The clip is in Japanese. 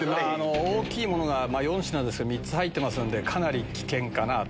大きいものが４品ですけど３つ入ってますんでかなり危険かなと。